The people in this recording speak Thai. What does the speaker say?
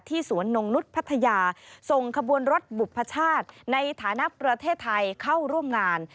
สวนนงนุษย์พัทยาส่งขบวนรถบุพชาติในฐานะประเทศไทยเข้าร่วมงาน